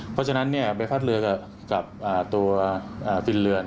เพราะฉะนั้นเนี่ยไปคราศเวลากับตัวฟินเรือ